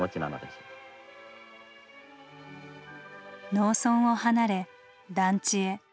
農村を離れ団地へ。